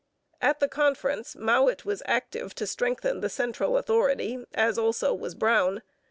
At the conference Mowat was active to strengthen the central authority, as also was Brown.